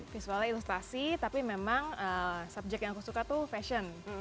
visualnya ilustrasi tapi memang subjek yang aku suka tuh fashion